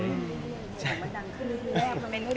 มันดังขึ้นอีกแล้ว